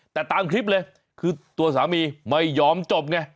แต่ตามคลิปเลยคือตัวสามีไม่ยอมจบไง